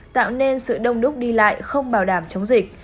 tạo nên sự đông đúc đi lại không bảo đảm chống dịch